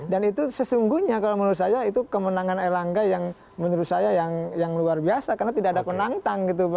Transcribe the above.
dan itu sesungguhnya kalau menurut saya itu kemenangan erlangga yang menurut saya yang luar biasa karena tidak ada penantang gitu